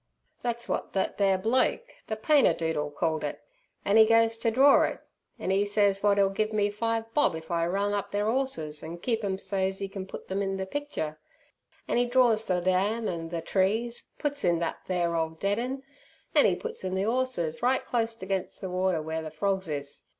"Thet's wot thet there bloke, the painter doodle, called it. An' 'e goes ter dror it, an' 'e sez wot 'e 'll give me five bob if I'll run up ther horses, an' keep 'em so's 'e ken put 'em in ther picshure An' 'e drors ther Dam an' ther trees, puts in thet there ole dead un, an' 'e puts in ther 'orses right clost against ther water w'ere the frogs is.